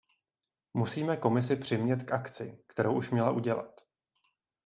Musíme Komisi přimět k akci, kterou už měla udělat.